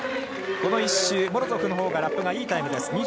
この１周はモロゾフのほうがいいタイムです。